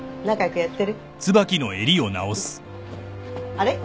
あれ？